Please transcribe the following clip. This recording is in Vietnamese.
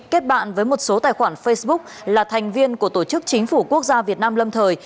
kết bạn với một số tài khoản facebook là thành viên của tổ chức chính phủ quốc gia việt nam lâm thời